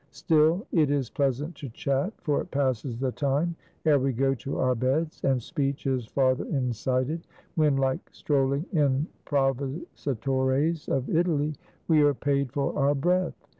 Still, it is pleasant to chat; for it passes the time ere we go to our beds; and speech is farther incited, when like strolling improvisatores of Italy, we are paid for our breath.